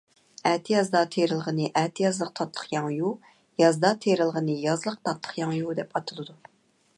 ئەتىيازدا تېرىلغىنى ئەتىيازلىق تاتلىقياڭيۇ، يازدا تېرىلغىنى يازلىق تاتلىقياڭيۇ دەپ ئاتىلىدۇ.